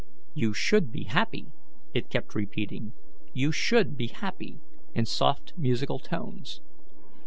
"You should be happy," it kept repeating "you should be happy," in soft musical tones.